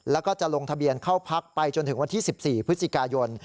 แล้วก็จะลงทะเบียนเข้าพักไปจนถึงวันที่๑๔พฤศจิกายน